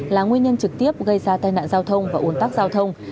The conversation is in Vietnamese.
là nguyên nhân trực tiếp gây ra tai nạn giao thông và ủn tắc giao thông